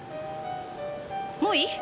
もういい？